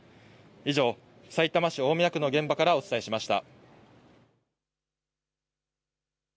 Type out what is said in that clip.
以上、さいたま市大宮区の現場からお伝えしました。